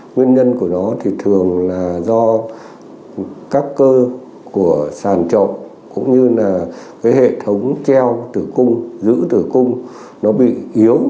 nguyên nhân của nó thì thường là do các cơ của sàn trộn cũng như là cái hệ thống treo tử cung giữ tử cung nó bị yếu